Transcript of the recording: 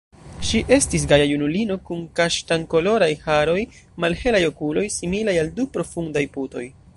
Ŝi estis gaja junulino kun kaŝtankoloraj haroj, malhelaj okuloj, similaj al du profundaj putoj.